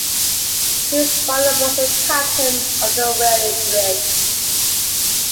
His father was the captain of a whaling brig.